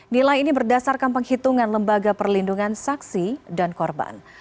nilai ini berdasarkan penghitungan lembaga perlindungan saksi dan korban